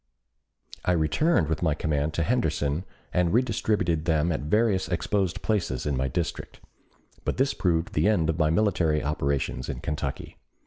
I returned with my command to Henderson and redistributed them at various exposed places in my district. But this proved the end of my military operations in Kentucky.